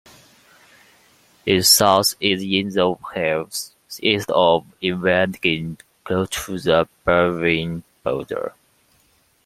Its source is in the hills east of Ellwangen, close to the Bavarian border.